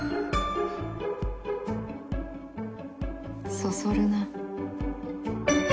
そそるな。